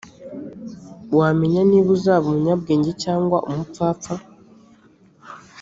wamenya niba azaba umunyabwenge cyangwa umupfapfa